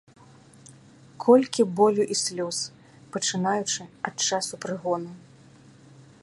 Колькі болю і слёз, пачынаючы ад часу прыгону!